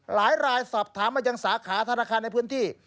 หลายรายสอบถามมายังสาขาธนาคารในพื้นที่